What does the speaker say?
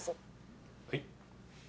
はい。